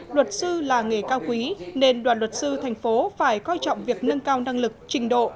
luật sư là nghề cao quý nên đoàn luật sư thành phố phải coi trọng việc nâng cao năng lực trình độ